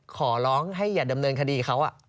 ขอร้องให้อย่าดำเนินคดีเขา